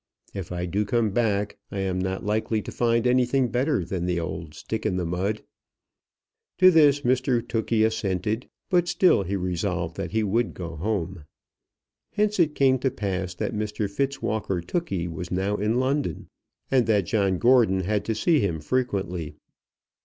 If I do come back I am not likely to find anything better than the old Stick in the Mud." To this Mr Tookey assented, but still he resolved that he would go home. Hence it came to pass that Mr Fitzwalker Tookey was now in London, and that John Gordon had to see him frequently.